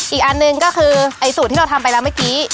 อีกอันหนึ่งก็คือไอ้สูตรที่เราทำไปแล้วเมื่อกี้